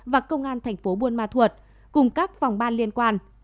và công an thành phố buôn ma thuột cùng các phòng ban liên quan